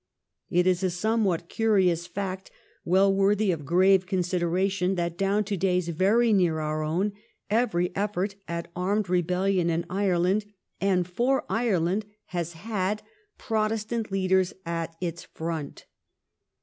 It is a somewhat curious fact, well worthy of grave con sideration, that down to days very near our own every effort at armed rebellion in Ireland and for Ireland has had Protestant leaders at its front.